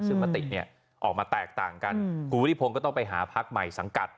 ซึ่งมติเนี่ยออกมาแตกต่างกันคุณวุฒิพงศ์ก็ต้องไปหาพักใหม่สังกัด